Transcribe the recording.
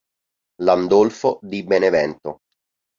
Landolfo di Benevento